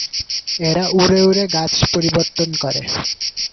এরা উড়ে উড়ে গাছ পরিবর্তন করে।